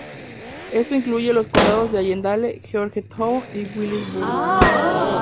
Esto incluye los condados de Allendale, Georgetown y Williamsburg.